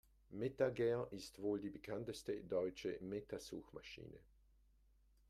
MetaGer ist die wohl bekannteste deutsche Meta-Suchmaschine.